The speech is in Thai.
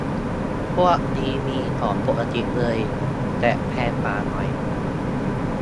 พวกนี้มีของปกติเลย แต่แพงกว่าหน่อย